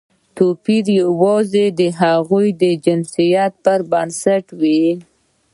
توپیر یوازې د هغوی د جنسیت پر بنسټ وي.